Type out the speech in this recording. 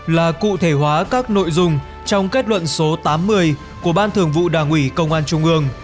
là cụ thể hóa các nội dung trong kết luận số tám mươi của ban thường vụ đảng ủy công an trung ương